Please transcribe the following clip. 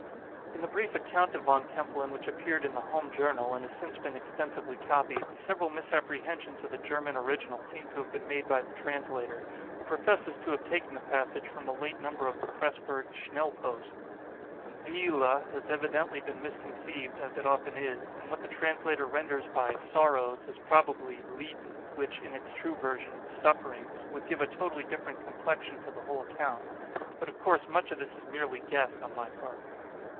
In the brief account of Von Kempelen which appeared in the 'Home Journal,' and has since been extensively copied, several misapprehensions of the German original seem to have been made by the translator, who professes to have taken the passage from a late number of the Presburg 'Schnellpost.' 'Viele' has evidently been misconceived (as it often is), and what the translator renders by 'sorrows,' is probably 'lieden,' which, in its true version, 'sufferings,' would give a totally different complexion to the whole account; but, of course, much of this is merely guess, on my part.